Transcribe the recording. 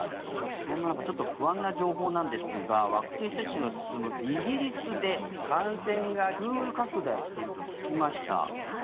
そんな中ちょっと不安な情報なんですがワクチン接種の進むイギリスで感染が急拡大していると聞きました。